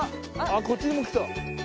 こっちにも来た！